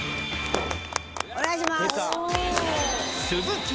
お願いします